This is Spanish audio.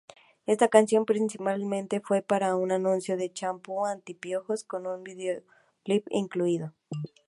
Esta canción principalmente fue para un anuncio de champú anti-piojos, con un videoclip incluido.